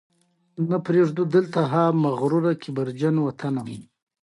د سوېلي افریقا په ځینو برخو کې نښې لیدل کېږي.